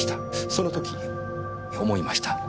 その時思いました。